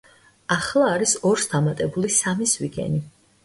ახლა არის ორს დამატებული სამი ზვიგენი.